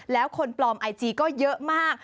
แล้วคนปลอมไอจีก็เยอะมาก